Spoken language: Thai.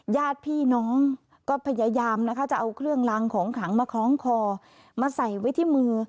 ญาติพี่น้องก็พยายามนะคะจะเอาเครื่องลางของขลังมาคล้องคอมาใส่ไว้ที่มือ